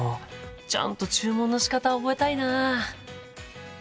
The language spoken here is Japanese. ちゃんと注文のしかた覚えたいな。